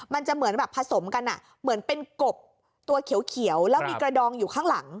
มันจะเหมือนแบบผสมกันเหมือนเป็นกบตัวเขียวแล้วมีกระดองอยู่ข้างหลัง